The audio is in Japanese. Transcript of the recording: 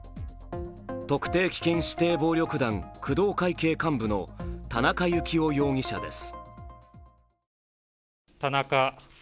特定危険指定暴力団・工藤会系幹部の田中幸雄容疑者です。